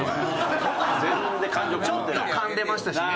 ちょっとかんでましたしね。